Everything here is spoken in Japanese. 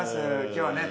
今日はね